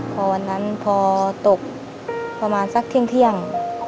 พอวันนั้นพอตกประมาณสักเที่ยง